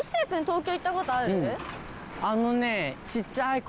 あのね。